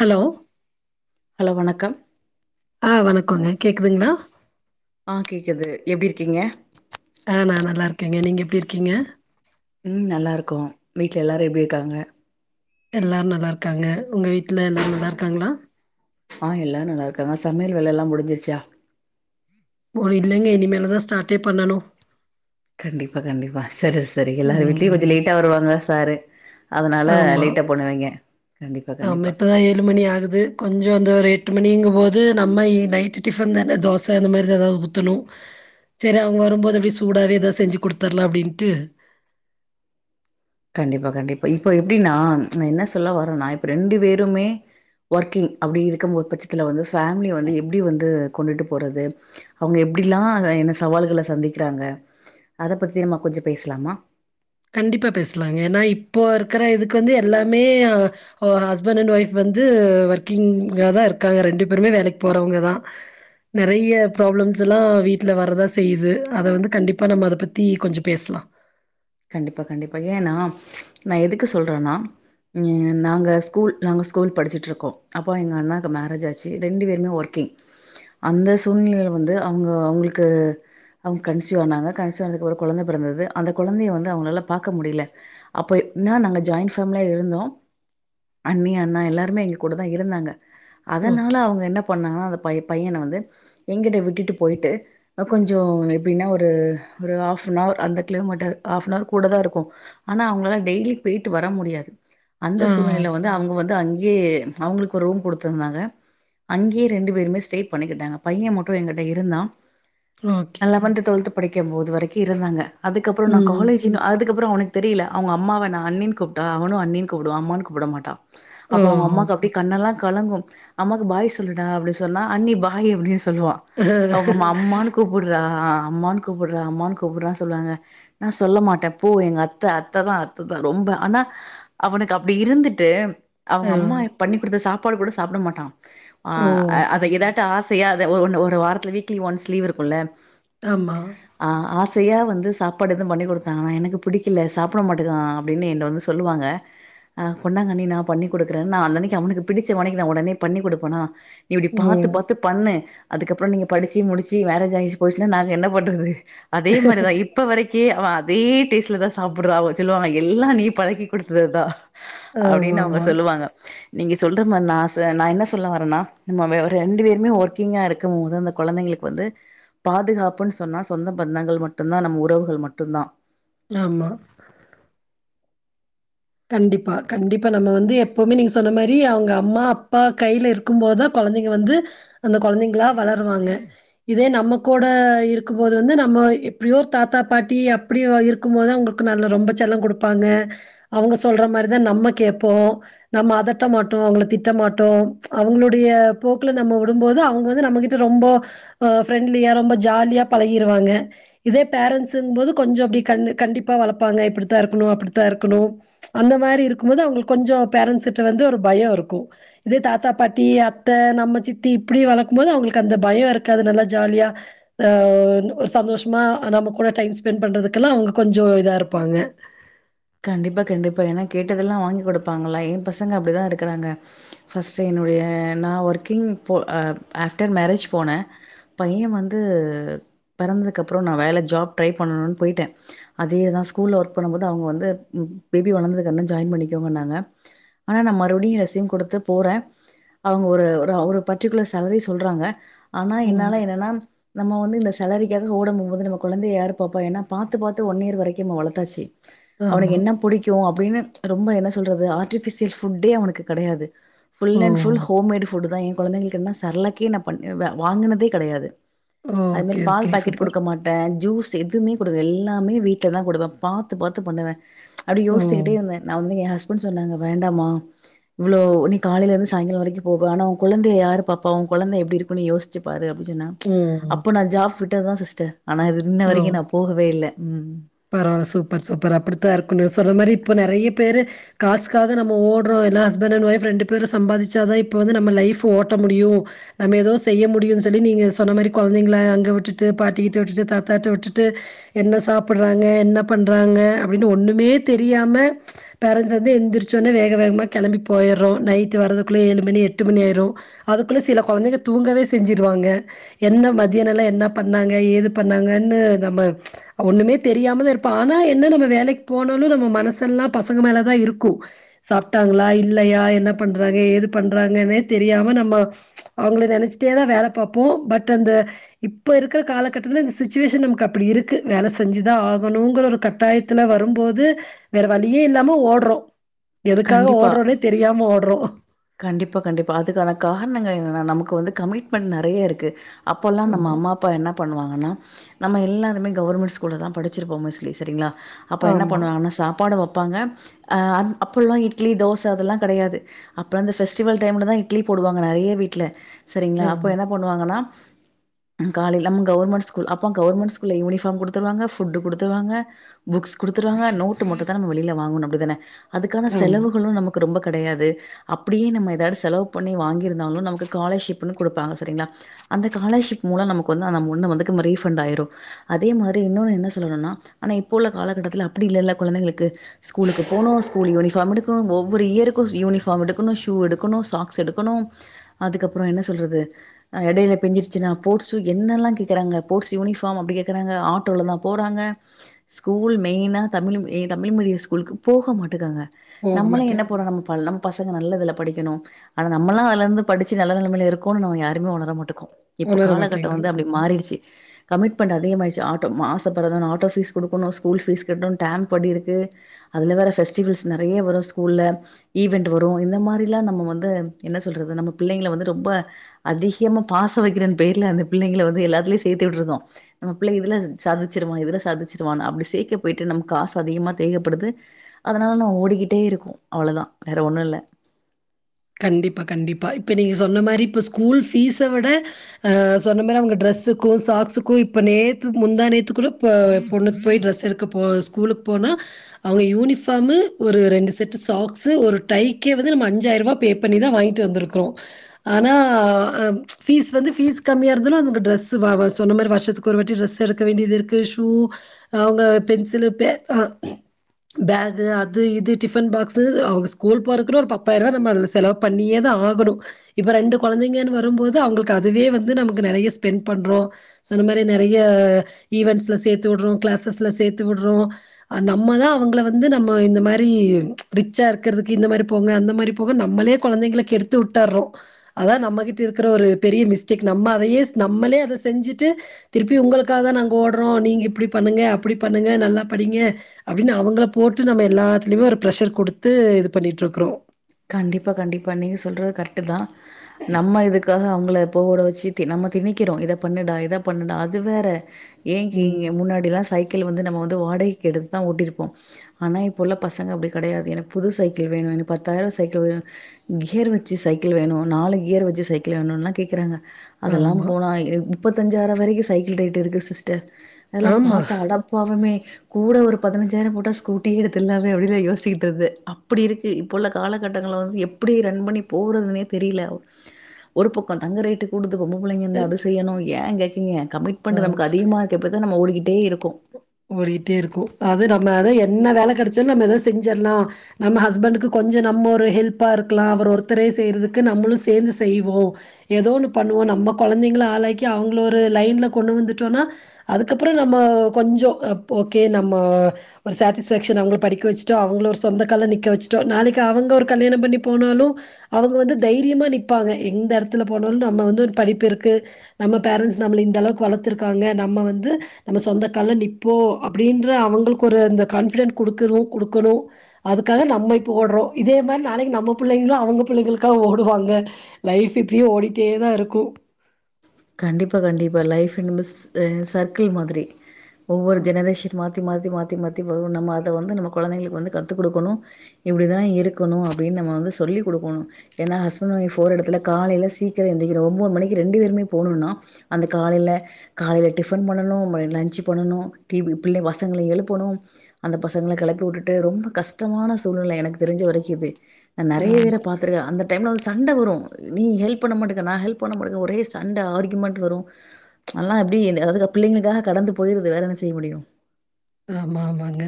Hello hello வணக்கம் ஆ வணக்கங்க கேக்குதுங்களா ஆஹ் கேக்குது எப்படி இருக்கீங்க ஆ நா நல்லாருக்கேங்க நீங்கள் எப்டி இருக்கீங்க ம் நல்லா இருக்கோ வீட்ல எல்லாரு எப்டி இருக்காங்க எல்லோரு நல்லாருக்காங்க உங்க வீட்ஐ எல்லாரு நல்லாருக்காங்களா ஆ எல்லாரு நல்லா இருக்காங்க சமையல் வேலை எல்லாம் முஞ்சுச்சா ஒரு இலைங்க இனிமேல் தா ஸ்டார்ட்டே பண்ணணு கண்டிப்பா கண்டிப்பா சரி சரி எல்லாரும் வீட்லயு கொஞ்சம் ம் லேட்டா வருவாங்கள சாரு அதனால ஆமா லேட்டா பண்ணுவைங்க கண்டிப்பா கண்டிப்பா இதா ஏழு மணி ஆகுது கொஞ்சம் அந்த ஒரு எட்டு மணிங்கும்போது நம்ம நைட்டு டிஃபன் தான தோசை இந்தந்த மாதிரி ஏதாவது ஊற்றணும் சேரி அவங்க வரும்போது அப்டியே சூடாவே எதாது செஞ்சு குடுத்தட்லா அப்டின்ட்டு கண்டிப்பா கண்டிப்பா இப்ப எப்டின்னா நா என்ன சொல்ல வரேன்னா இப்ப ரெண்டு பேருமே ஒர்க்கிங் அப்டி இருக்குபோ பட்சத்துல வந்து ஃபேமிலிய வந்து எப்டி வந்து கொண்டுட்டு போறது அவங்க எப்படிலா என்ன சவால்கள சந்திக்கிறாங்க அத பத்தி நம்ம கொஞ்சோ பேசலாமா கண்டிப்பா பேசலாங்க ஏன்னா இப்போ இருக்கிற இதுக்கு வந்து எல்லாமே ஒ ஹஸ்பண்ட் அண்ட் ஒய்ஃப் வந்து ஒர்க்கிங்காதா இருக்காங்க ரெண்டு பேருமே வேலைக்கு போறவங்கதா நெறைய ப்ராப்ளம்ஸ் எல்லா வீட்ல வரதா செய்யுது அத வந்து கண்டிப்பா நம்ம அத பத்தி கொஞ்சோ பேசலா கண்டிப்பா கண்டிப்பா ஏன்னா நா எதுக்கு சொல்றேன்னா ம், நாங்க ஸ்கூல் நாங்க ஸ்கூல் படிச்சிட்டுருக்கோ அப்போ எங்க அண்ணாவுக்கு மேரேஜ் ஆச்சு ரெண்டு பேருமே ஒர்க் கிங் அந்த சூழ்நிலையில வந்து அவங்க அவங்களுக்கு அவங்க கன்சிவ் ஆனாங்க கன்சிவ் ஆனதுக்கு அப்றோ கொழந்த பிறந்தது அந்த கொழந்தைய வந்து அவங்களால பாக்க முடியல அப்ப என்ன நாங்க ஜாயின் ஃபேமிலியா இருந்தோ அண்ணி அண்ணா எல்லாருமே எங்க கூட தா இருந்தாங்க அதனால ஓகே. அவங்க என்ன பண்ணாங்கன்னா அந்த பைய பையனை வந்து எங்க்கிட்ட விட்டுட்டு போயிட்டு அ கொஞ்சோ எப்டின்னா ஒரு ஒரு ஹாஃப் இன் அவர் அந்த கிலோமீட்டர் ஹாஃப் இன் அவர் கூடதா இருக்கு ஆனா அவங்களால டெய்லி போயிட்டு வர முடியாது அந்த ஆ சூழ்நிலையில வந்து அவங்க வந்து அங்கேயே அவங்களுக்கு ஒரு ரூம் குடுத்துருந்தாங்க அங்கேயே ரெண்டு பேருமே ஸ்டே பண்ணிக்கிட்டாங்க பைய மட்டு எங்கிட்ட இருந்தா ஓகே. நா லெவன்த் டுவெல்த் படிக்கும்போது வரைக்கு இருந்தாங்க அதுக்கப்றோ நா ம். ச்சினு அதுக்கப்பறோ அவனுக்கு தெரியல அவங்க அம்மாவ நா அண்ணின்னு கூப்ட்டா அவனு அண்ணின்னு கூப்டுவா அம்மானு கூப்ட மாட்டா அப்ப அவங்க ஓஹோ! அம்மாக்கு அப்டியே கண்ணெல்லா கலங்கு அம்மாக்கு பாய் சொல்லுடா அப்டின்னு சொன்னா அண்ணி பாய் அப்டின்னு சொல்லுவா அவங்கம்மா அம்மான்னு கூப்பிட்றா அம்மான்னு கூப்பிட்றா அம்மான்னு கூப்பிட்றான்னு சொல்லுவாங்க நா சொல்ல மாட்டே போ எங்க அத்தை அத்தைதா அத்தைதா ரொம்ப ஆனா அவனுக்கு அப்டி இருந்துட்டு அவங்க ஆ. அம்மா பண்ணி குடுத்த சாப்பாடு கூட சாப்பிட மாட்டா அ ஓ! அத ஏதா ட்டு ஆசையா அத ஒரு ஒன் ஒரு வாரத்து வீக்லி ஒன்ஸ் லீவ் இருக்குல்ல ஆமா ஆ ஆசையா வந்து சாப் சாப்பாடு எதும் பண்ணி குடுத்தாங்கனா எனக்கு புடிக்கல சாப்ட மாட்டங்கிறா அப்படின்னு என்ன வந்து சொல்லுவாங்க ஆ கொண்டாங்க அண்ணி நா பண்ணிக்குடுக்றே நா அந்த அன்னைக்கு அவனுக்கு பிடிச்ச ஒனைக்கு நா உடனே பண்ணிக்குடுப்பனா இப்டி பாத்து ம். பாத்து பண்ணு அதுக்கப்றோ நீங்க படிச்சு முடிச்சு மேரேஜ் ஆயிட்டு போய்டினா நாங்க என்ன பண்றது அதே மாரிதா இப் ப வரைக்கே அவ அதே டேஸ்ட்லதா சாப்பிட்றா அவ சொல்லுவாங்க எல்லா நீ பழக்கி குடுத்ததுதா அப்டின்னு அவங்க ஆமாமா. சொல்லுவாங்க நீங்க சொல்ற மாரி நா நா என்ன சொல்ல வரேன்னா நம்ம ரெண்டு பேருமே ஒர்க்கிங்கா இருக்கும்போது அந்த கொழந்தைங்களுக் வந்து பாதுகாப்புன்னு சொன்னா சொந்த பந்தங்கள் மட்டும்தா நம்ம உறவுகள் மட்டும்தா ஆமா கண்டிப்பா கண்டிப்பா நம்ம வந்து எப்பவுமே நீங்க சொன்ன மாரி அவங்க அம்மா அப்பா கைல இருக் கும்போதுத கொழந்தைங்க வந்து அந்த கொழந்தைங்களா வளருவாங்க இதே நம்ம கூட இருக்கும்போது வந்து நம்ம எப்டியோ ஒரு தாத்தா பாட்டி அப் டி இருக்கும்போதுதா அவங்களுக்கு நல்ல ரொம்ப செல்லம் குடுப்பாங்க அவங்க சொல்ற மாரிதா நம்ம கேட்போ நம்ம அதட்ட மாட்டோ அவங்க திட்ட மாட்டோ அவங்களுடைய போக்குல நம்ம விடும்போது அவங்க வந்து நம்மகிட் ட ரொம்ப அ ஃப்ரெண்ட்லியா ரொம்ப ஜாலியா பழகிடுவாங்க இதே பேரண்டட்ஸுங்கும் போது கொஞ்சோ அப்டி கண்டிப்பா வளப்பாங்க இப்டித்தா இருக்கணு அப்டித்தா இருக்கணு அந்த மாரி இருக்குபோது அவுங்களுக்கு கொஞ்சோ பேரண்டட்ஸ்கிட்ட வந்து ஒரு பயோ இருக்கு இதே தாத்தா பாட்டி அத்த நம்ம சித்தி இப்டி வளர்க்கு போது அவுங்களுக்கு அந்த பயோ இருக்காது நல்லா ஜாலியா ஆ ஒரு சந்தோஷமா நம்ம கூட டைம் ஸ்பெண்ட் பண்றதுக்கெல்லா அவுங்க கொஞ்சோ இதா இருப்பாங்க கண்டிப்பா கண்டிப்பா ஏனா கேட்டதெல்லா வாங்கி கொடுப்பாங்களா எ பசங்க அப்டிதா இருக்கிறாங்க ஃபர்ஸ்ட்டு என்னுடைய நா ஒர்க்கிங் போ அ ஆஃப்டர் மேரேஜ் போன பைய வந்து பிறந்ததுக்கப்புறோ நா வேல ஜாப் ட்ரை பண்ணணும்னு போயிட்டே அதேதா ஸ்கூல்ல ஒர்க் பண்ணு போது அவுங்க வந்து பேபி வளர்ந்ததுக்குன்ன ஜாயின் பண்ணிக்கோங்க இன்னாங்க ஆனா நா மறுபடியு ரெசியும் கொடுத்து போறே அவுங்க ஒரு ஒரு பர்ட்டிகுலர் சலரி சொல்றாங்க ஆனா ம். என்னால என்னன்னா நம்ம வந்து இந்த சலரிக்காக ஓடும் பும் போது நம்ம குழந்தைய யாரு பாப்பா ஏன்னா பாத்து பாத்து ஒன் இயர் வரைக்கு நம்ம வளர்த்தாச்சு ஆமா. அவனுக்கு என்ன பிடிக்கு அப்டின்னு ரொம்ப என்ன சொல்றது ஆர்ட்டிஃபிஷியல் ஃபுட்டே அவனுக்கு கிடையாது ஓ! Full and full homemade food தா எ குழந்தைங்களுக்கு என்ன சரளக்கே பண்ண அ வாங்கினதே கிடையாது அது மாரி ஓகே, பால் ஓகே. Packet super. கொடுக்க மாட் டே ஜூஸ் எதுவுமே கொடுக்க எல்லாமே வீட்டில் தா கொடுப்பே பாத்து பாத்து பண்ணுவே அப்டி ஓ! யோச்சிக்கிட்டே இருந்தே நா வந்து எ ஹஸ்பண்ட் சொன்னாங்க வேண்டாமா இவ்ளோ நீ காலையில இருந்து சாங்காலோ வரைக்கு போவ ஆன உ கோழந்தைய யாரு பாப்பா உ கொழந்த எப்டி இருக்குன்ன யோசி சிபாரு அப்டினு சொன்னா ம். அப்ப நா ஜாப் விட்டதுதா சிஸ்டர் ஆனா இது இன்ன வரைக்கு நா போகவே இல்ல ம் பரவா சூப்பர் சூப்பர் அப்டித்தானன இருக்கணு சொன்ன மாரி இப்போ நெறைய பேரு காசுக்காக நம்ம ஓடுறோ எல்லா ஹஸ்பண்ட் அண்ட் ஒய்ஃப் ரெண்டு பேரு சம்பாதிச்சாதா இப்ப வந்து நம்ம லைப் ஓட்ட முடியு நம்ம ஏதோ செய்ய முடியும்ன்னு சொல்லி நீங்க சொன்ன மாரி கொழந்தைங்களா அங்க விட்டுட்டு பாட்டிக்கிட்ட விட்டுட்டு தாத்தாட்ட விட்டுட்டு என்ன சாப்படுறாங்க என்ன பண்றாங்க அப்டின்னு ஒண்ணுமே தெரியாம பேரண்ட்ஸ் வந்து எந்திரிச்சோனே வேக வேகமாக கிளம்பி போயிறோ நைட்டு வரதுக்குள்ளே ஏழு மணி எட்டு மணி ஆயிரு அதுக்குள்ள சில கொழந்தைங்க தூங்கவே செஞ்சிருவாங்க என்ன மதியம் எல்லா என்ன பண்ணாங்க ஏது பண்ணாங்கன்னு நம்ம ஒண்ணுமே தெரியாம இருப்பா ஆனா என்ன நம்ம வேலைக்கு போனாலு நம்ம மனசெல்லா பசங்க மேலதா இருக்கு சாப்ட்டாங்களா இல்லையா என்ன பண்றாங்க ஏது பண்றாங்கன்னே தெரியாம நம்ம அவுங்கள நெனச்சிட்டே தா வேல பாப்போ பட் அந்த இப்ப இருக்கிற காலகட்டத்தில இந்த சுச்சுவேஷன் நமக்கு அப்டி இருக்கு வேல செய் செஞ்சுதா ஆகணுங்கிற ஒரு கட்டாயத்துல வரும்போது வேற வழியே இல்லாம ஓடுறோ எதுக்காக கண்டிப்பா ஓடுறோனே தெரியாம ஓடுறோ கண்டிப்பா கண்டிப்பா அதுக்கான காரணங்கள் என்னன்னா நமக்கு வந்து கமிட்மெண்டட் நெறைய இருக்கு அப்போளா நம்ம ஆமா, அம்மா அப்பா என்ன பண்ணுவாங்கன்னா நம்ம எல்லாருமே கவர்மெண்ட் ஸ்கூல தா படிச்சிருப்போ மோஸ்லி சேரிங்களா அப்ப என்ன ஆமா, பண்ணுவாங்கன்னா சாப்பாடு வைப்பாங்க அ அப்பல்லா இட்லி தோச அதெல்லா கெடையாது அப்போ இந்த ஃபெஸ்டிவல் டைம்ல தா போடுவாங்க நெறைய வீட்டுல சேரிங்களா அப்போ ஆமா, என்ன பண்ணுவாங்கன்னா காலைல நம்ம கவர்மெண்ட் ஸ்கூல் அப்போ கவர்மெண்ட் ஸ்கூல யூனிஃபார்ம் குடுத்துருவாங்க ஃபுட் குடுத்துருவாங்க புக்ஸ் குடுத்துருவாங்க நோட்டு மட்டு தா நம்ம வெளியில வாங்கணு அப்டிதானே அதுக்கான ஆமா. செலவுகளு நமக்கு ரொம்ப கெடையாது அப்டியே நம்ம ஏதாவது செலவு பண்ணி வாங்கியிருந்தாலு நமக்கு காலர்ஷிப்ன்னு குடுப்பாங்க சேரிங்களா அந்த காலர்ஷிப் மூலோ நமக்கு வந்து அந்த அமெண்ட் வந்து ரீஃபண்ட் ஆயிரு அதே மாரி இன்னொன்னு என்ன சொல்ல வரும்னா ஆனா இப்ப உள்ள காலகட்டத்துல அப்டி இல்லல்ல கொழந்தைங்களுக்கு ஸ்கூக்கு போனு ஸ்கூல் யூனிஃபாம் எடுக்கு ஒவ்வொரு இயருக்கு யூனி ஃபாம் எடுக்கணு ஷூ எடுக்கணு சாக்ஸ் எடுக்கணு அதுக்கப்றோ என்ன சொல்றது எடையில பிஞ்சுருச்சுனா ஃபோட்ஸ்ஸு என்னல்லா கேக்குறாங்க ஃபோட்ஸ் யூனிஃபாம் அப்டி கேக்குறாங்க ஆட்டோல தா போறாங்க ஸ்கூல் மெயினா தமிழ் தமிழ் மீடிய ஸ்கூலுக்கு போக மாட்டேக்காங்க போக நம்மளே என்ன மாட்டேன். பண்றோ நம்ம பழம் பசங்க நல்லதுல படிக்கனு ஆனா நம்மல்லா அதுல இருந்து படிச்சு நல்ல நெலமையல இருக்கோனு நம்ம யாருமே ஒணர மாட்டுக்கோ இப்ப உணர காலகட்டம் மாட்டேங்குது. வந்து அப்டி மாறிடுச்சு கமிட்மெண்ட் அதிக ஆச்சு ஆட்டோ மாசோ பெறந்ததனா ஆட்டோ ஃபீஸ் குடுக்கணு ஸ்கூல் ஃபீஸ் கட்டணு டேம்ப்படி இருக்கு அதுல வேற ஃபெஸ்டிவல்ஸ் நெறய வரு ஸ்கூல்ல ஈவெண்ட் வரும் இந்த மாதிரில்லா நம்ம வந்து என்ன சொல்றது நம்ம பிள்ளைங்கள வந்து ரொம்ப அதிகமா பாச வக்குறேன் பேர்ல அந்த பிள்ளைங்கள வந்து எல்லாத்துலயு சேத்து விட்ருந்தோ நம்ம பிள்ள இதுல சாதிச்சுடுவா இதுல சாதிச்சுவானு அப்டி சேக்க போயிட்டு நமக்கு காசு அதிகமா தேவப்படுது அதனால நா ஓடிக்கிட்டே இருக்கு அவ்ளோதா வேற ஒன்னு இல்ல கண்டிப்பா கண்டிப்பா இப்ப நீங்க சொன்ன மாரி இப்போ ஸ்கூல் ஃபீஸ விட ஆ சொன்ன மாரி அவுங்க ட்ரெஸ்ஸுக்கு சாக்ஸுக்கு இப்ப நேத்து முந்தா நேத்துக்கு கூட இப்போ பொண்ணுக்கு போய் ட்ரெஸ் எடுக்கு க்க போ ஸ்கூலுக்கு போனா அவுங்க யூனிஃபாமு ஒரு ரெண்டு செட்டு சாக்ஸு ஒரு டைக்கே வந்து நம்ம அஞ்சாயிரம் ரூபா பே பண்ணி தா வாங்கிட்டு வந்துருக்குறோ ஆனா ஃபீஸ் வந்து ஃபீஸ் கம்மியா இருந்தாலு நமக்கு டிரெஸ் சொன்ன மாரி வருஷத்துக்கு ஒரு வாட்டி டிரெஸ் எடுக்க வேண்டியது இருக்கு ஷூ அவுங்க பென்சிலு பே பேக்கு அது இது டிஃபன் பாக்ஸு அவுங்க ஸ்கூல் போறதுக்குள்ள ஒரு பத்தாயிரரூபா நம்ம செலவு பண்ணியேதா ஆகனு இப்ப ரெண்டு கொழந்தைங்கன்னு வரும்போது அவுங்களுக்கு அதுவே வந்து நமக்கு நெறய ஸ்பெண்ட் பண்றோ சொன்ன மாரி நெறய ஈவென்ஸ்ல சேத்து விடுறோ கிளாசஸ்ல சேத்து விடுறோ நம்மதா அவுங்கள வந்து நம்ம இந்த மாரி ரிச்சா இருக்குறதுக்கு இந்த மாரி போங்க அந்த மாரி போங்க நம் நம்மளே கொழந்தைகள கெடுத்து விட்டரோ அதா நம்மகிட்ட இருக்குற ஒரு பெரிய மிஸ்டேக் நம்ம அதயே நம்மளே அத செஞ்சுட்டு திருப்பி ஒங்களுக்காக தா நாங்க ஓடுறோ நீங்க இப்டி பண்ணுங்க அப்டி பண்ணுங்க நல்லா படிங்க அப்டின்னு அவங்கள போட்டு நம்ம எல்லாத்லயுமே ஒரு பிரெஷர் குடுத்து இது பண்ணிட்டு இருக்குறோ கண்டிப்பா கண்டிப்பா நீங்க சொல்றது கரெக்ட்டு தா நம்ம இதுக்காக அவுங்கள போகோட வச்சு நம்ம திணிக்குறோ இத பண்ணுடா இத பண்ணுடா அது வேற ஏங்க இங்க ம். முன்னாடில்லா சைக்கிள் வந்து நம்ம வந்து வாடகைக்கு எடுத்துதா ஓட்டிருப்போ ஆனா இப்போ உள்ள பசங்க அப்டி கெடயாது எனக்கு புது சைக்கிள் வேணு பத்த டயர் சைக்கிள் வேணு கியர் வச்சு சைக்கிள் வேணு நாலு கியர் வச்சு சைக்கிள் வேணுல்லா கேக்குறாங்க அதெல்லா ஆமா. போனா முப்பத்தஞ்சாயிற வரைக்கு சைக்கிள் ரேட்டு இருக்கு சிஸ்டர் அதெல்லா ஆமா. பாத்தா அட பாவமே கூட ஒரு பதினஞ்சாயிர போட்டா ஸ்கூட்டியே எடுத்துல்லாமே அப்டிலா யோசிட்டு இருந்தே அப்டி இருக்கு இப்போ உள்ள காலகட்டங்கள வந்து எப்டி ரன் பண்ணி போறதுனே தெரியல ஒரு பக்கோ தங்க ரேட்டு கூடுது பொம்பள புள்ளைங்க இருந்த அ அது செய்யணு ஏ கேக்குறீங்க ஆ. கமிட்மெண்ட் நமக்கு அதிகமாக இருக்க போய் தா நாம ஓடிக்கிட்டே இருக்கு ஓடிட்டே இருக்கோ அது நம்ம அத என்ன வேல கெடச்சாலு நம்ம எதோ செஞ்சுறலா நம்ம ஹஸ்பண்டுக்கு கொஞ்ச நம்ம ஒரு ஹெல்ப்பா இருக்கலா அவர் ஒருத்தரே செய்யுறதுக்கு நம்மளு சேந்து செய்வோ ஏதோன்னு பண்ணுவோ நம்ம கொழந்தைங்கள ஆளாக்கி அவுங்கள ஒரு லைன்ல கொண்டு வந்துட்டோனா அதுக்கப்பறோ நம்ம கொஞ்சோ ஓகே நம்ம ஒரு சாட்டிஸ்ஃபேக்க்ஷன் அவுங்கள படிக்க வச்சுட்டு அவுங்கள ஒரு சொந்தக்கால்ல நிக்க வச்சுட்டோ நாளைக்கு அவுங்க ஒரு கல்யாணோ பண்ணி போனாலு அவுங்க வந்து தைரியமா நிப்பாங்க எந்த எடத்துல போனாலு நம்ம வந்து ஒரு படிப்பு இருக்கு நம்ம பேரன்ஸ் நம்மள இந்த அளவுக்கு வளத்துருக்காங்க நம்ம வந்து நம்ம சொந்த கால்ல நிப்போ அப்டீன்ற அவுங்களுக்கு ஒரு அந்த கான்பிடென் குடுக்கனு குடுக்கனு அதுக்காக நம்ம இப்போ ஓடுறோ இதே மாரி நாளைக்கு நம்ம புள்ளைங்களு அவுங்க புள்ளைங்களுக்காக ஓடுவாங்க லைஃப் இப்டியே ஓடிட்டேதா இருக்கு கண்டிப்பா கண்டிப்பா லைஃப் இண்மஸ் சர்க்கிள் மாதிரி ஒவ்வொரு ஜெனரேஷன் மா மாத்தி மாத்தி மாத்தி மாத்தி வரு நம்ம அத வந்து நம்ம கொழந்தைங்களுக்கு வந்து கத்து குடுக்கணு இப்டிதா இருக்கணு அப்டின் நம்ம வந்து சொல்லி் குடுக்கணு ஏன்னா ஹஸ்பண்ட் ஒயஃப்ப் போற எடத்துல காலைல சீக்ரம் எந்திற்க்கு ஒம்போது மணிக்கு ரெண்டு பேருமே போணுன்னா அந்த காலைல காலையில டிஃபன் பண்ணணு மதிய லன்ச் பண்ணணு டிவி பிள்ள பசங்கள எழுப்பணு அந்த பசங்கள கெளப்பி உட்டுட்டு ரொம்ப கஷ்டமான சூழ்நெல எனக்கு தெரிஞ்ச வரைக்கு இது நா நெறைய பேர ஆமா பாத்தருக்க அந்த டைம்ல வந்து சண்ட வரு நீ ஹெல்ப் பண்ண மாட்டுக்க நா ஹெல்ப் பண்ண மாட்ட ஒரே சண்ட ஆர்க்யூமெண்ட் வரு அதலா எப்டி அதாது பிள்ளைங்களுக்காக கடந்து போயிடுது வேற என்ன செய்ய முடியு ஆமா ஆமாங்க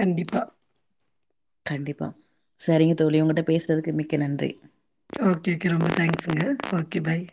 கண்டிப்பா கண்டிப்பா சரிங்க தோழி ஒங்கட்ட பேசுறதுக்கு மிக்க நன்றி ஓகே ஓகே ரொம்ப தேங்க்ஸுங்க ஓகே பாய்